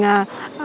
hội trợ công việc